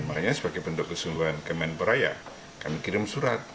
makanya sebagai pendukus kemenperaya kami kirim surat